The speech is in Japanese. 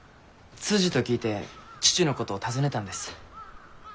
通詞と聞いて父のことを尋ねたんです。